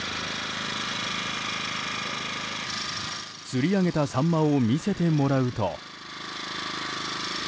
釣り上げたサンマを見せてもらうと。